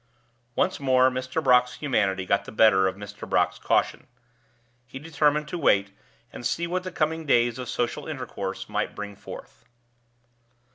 Once more Mr. Brock's humanity got the better of Mr. Brock's caution. He determined to wait, and see what the coming days of social intercourse might bring forth.